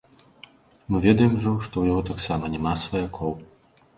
Мы ведаем ужо, што ў яго таксама няма сваякоў.